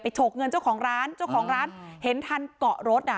โฉกเงินเจ้าของร้านเจ้าของร้านเห็นทันเกาะรถอ่ะ